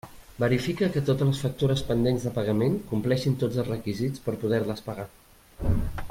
Verifica que totes les factures pendents de pagament compleixin tots els requisits per poder-les pagar.